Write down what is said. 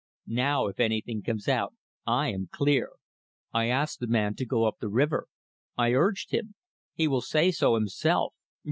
"Now if anything comes out I am clear. I asked the man to go up the river. I urged him. He will say so himself.